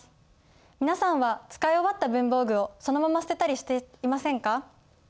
皆さんは使い終わった文房具をそのまま捨てたりしていませんか？